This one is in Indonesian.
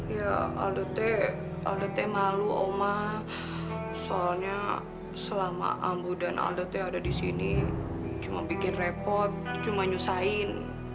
ya alda t malu oma soalnya selama ambu dan alda t ada di sini cuma bikin repot cuma nyusahin